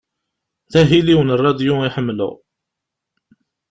D ahil-iw n ṛadyu i ḥemleɣ.